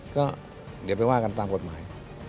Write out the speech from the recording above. ก็เดี๋ยวไปว่ากันตามกฎหมาย